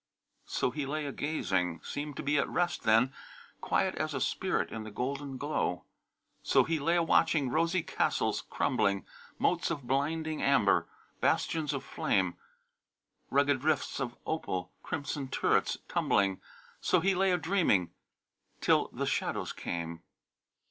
So he lay a gazing, seemed to be at rest then, Quiet as a spirit in the golden glow. So he lay a watching rosy castles crumbling, Moats of blinding amber, bastions of flame, Rugged rifts of opal, crimson turrets tumbling; So he lay a dreaming till the shadows came.